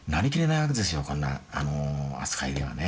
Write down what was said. こんなあの扱いではね。